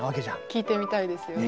聞いてみたいですよね。